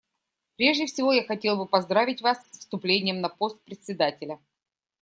Прежде всего я хотел бы поздравить Вас с вступлением на пост Председателя.